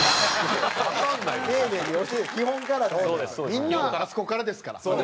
みんなあそこからですから。